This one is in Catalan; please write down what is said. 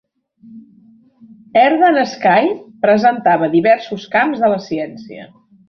Earth and Sky presentava diversos camps de la ciència.